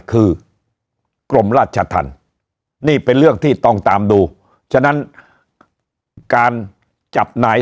คือกรมราชธรรมนี่เป็นเรื่องที่ต้องตามดูฉะนั้นการจับนาย